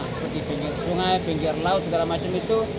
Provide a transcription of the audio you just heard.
seperti pinggir sungai pinggir laut segala macam itu